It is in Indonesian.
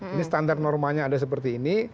ini standar normanya ada seperti ini